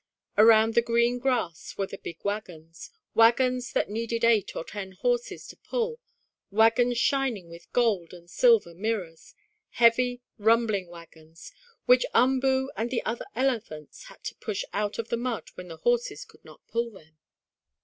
Around the green grass were the big wagons wagons that needed eight or ten horses to pull, wagons shining with gold and silver mirrors heavy, rumbling wagons, which Umboo and the other elephants had to push out of the mud when the horses could not pull them.